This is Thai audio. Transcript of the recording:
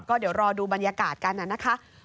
ก็เดี๋ยวรอดูบรรยากาศกันนะคะ